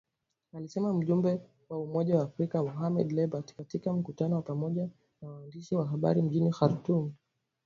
Alisema mjumbe wa Umoja wa Afrika, Mohamed Lebatt katika mkutano wa pamoja na waandishi wa habari mjini Khartoum.